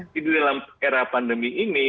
jadi dalam era pandemi ini